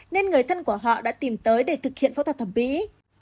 nên người thân của họ đã tìm tới để thực hiện phẫu thuật thẩm mỹ